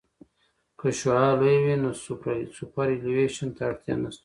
که شعاع لویه وي نو سوپرایلیویشن ته اړتیا نشته